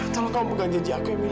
tolong kamu pegang janji aku ya mila